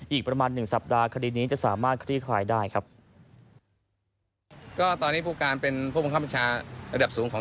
อีกประมาณหนึ่งสัปดาห์คดีนี้จะสามารถคลี่คลายได้ครับก็ตอนนี้ผู้การเป็นผู้บังคับบัญชาระดับสูงของ